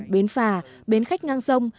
bến phà bến khách ngang sông